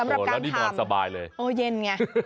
แล้วนี่หมอนสบายเลยโอ้โฮนี่เย็นไงนะ